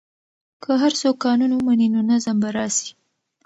که هر څوک قانون ومني نو نظم به راسي.